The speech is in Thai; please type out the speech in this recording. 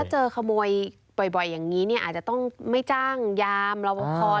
ถ้าเจอขโมยบ่อยอย่างนี้อาจจะต้องไม่จ้างยามรอบพอด์